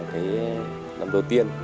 cái năm đầu tiên